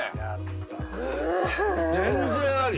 全然あり。